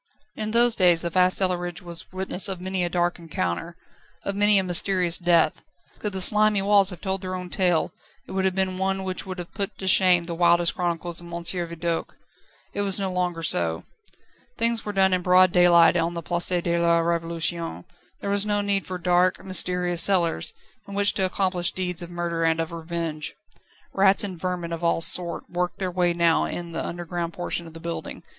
In those days the vast cellarage was witness of many a dark encounter, of many a mysterious death; could the slimy walls have told their own tale, it would have been one which would have put to shame the wildest chronicles of M. Vidoq. Now it was no longer so. Things were done in broad daylight on the Place de la Révolution: there was no need for dark, mysterious cellars, in which to accomplish deeds of murder and of revenge. Rats and vermin of all sorts worked their way now in the underground portion of the building.